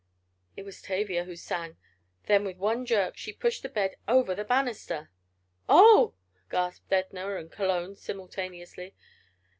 It was Tavia who sang. Then with one jerk she pushed the bed over the banister! "Oh!" gasped Edna and Cologne, simultaneously.